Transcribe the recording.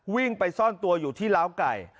วิ่งไปซ่อนตัวอยู่ที่ล้าวไก่